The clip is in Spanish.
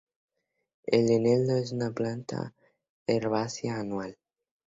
El eneldo es una planta herbácea anual.